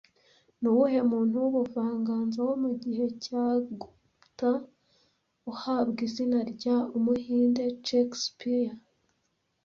Ni uwuhe muntu w’ubuvanganzo wo mu gihe cya Gupta uhabwa izina rya 'Umuhinde Shakespeare'